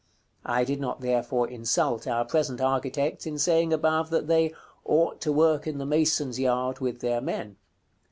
I did not, therefore, insult our present architects in saying above that they "ought to work in the mason's yard with their men."